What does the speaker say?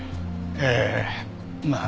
ええまあ。